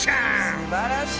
すばらしい！